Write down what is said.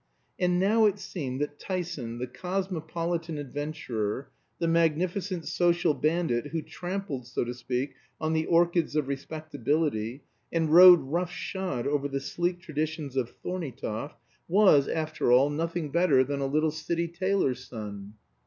And now it seemed that Tyson, the cosmopolitan adventurer, the magnificent social bandit who trampled, so to speak, on the orchids of respectability, and rode rough shod over the sleek traditions of Thorneytoft, was after all nothing better than a little City tailor's son.